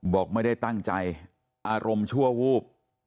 บอกไม่ได้ตั้งใจอารมณ์ชั่ววูบ